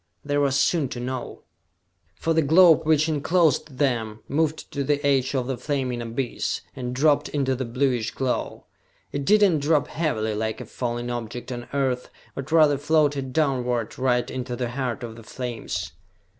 They were soon to know! For the globe which enclosed them, moved to the edge of the flaming abyss, and dropped into the bluish glow! It did not drop heavily, like a falling object on Earth, but rather floated downward, right into the heart of the flames.